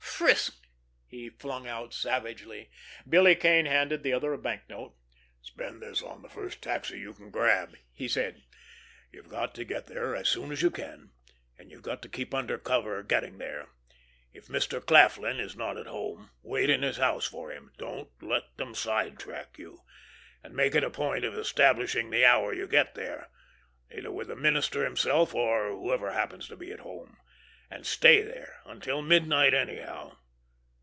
"Frisked!" he flung out savagely. Billy Kane handed the other a banknote. "Spend this on the first taxi you can grab," he said. "You've got to get there as soon as you can, and you've got to keep under cover getting there. If Mr. Claflin is not at home, wait in his house for him. Don't let them sidetrack you. And make it a point of establishing the hour you get there, either with the minister himself, or whoever happens to be at home. And stay there until midnight anyhow.